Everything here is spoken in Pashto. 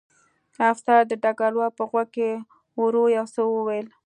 افسر د ډګروال په غوږ کې ورو یو څه وویل